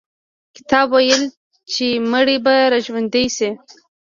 کتاب وویل چې مړي به را ژوندي شي.